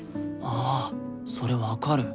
あそれ分かる。